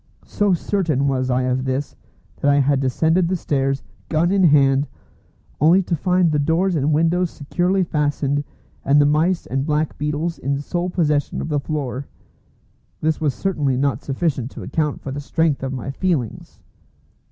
So certain was I of this, that I had descended the stairs, gun in hand, only to find the doors and windows securely fastened, and the mice and black beetles in sole possession of the floor. This was certainly not sufficient to account for the strength of my feelings.